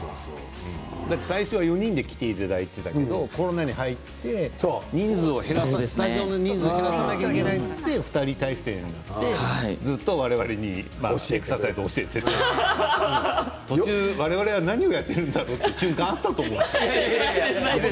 最初は４人で来ていただいていたけどコロナに入ってスタジオの人数を減らさなきゃいけないということで２人体制になってずっと我々のお尻をたたいて教えてくれた我々は何をやっているんだろうという瞬間はあったと思う。